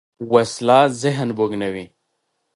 وسله ذهن بوږنوې